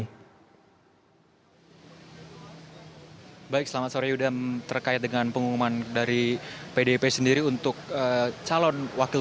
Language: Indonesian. hai baik selamat sore udam terkait dengan pengumuman dari pdp sendiri untuk calon wakil